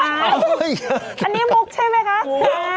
อันนี้มุกใช่ไหมคะ